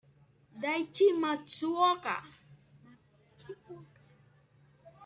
Daichi Matsuoka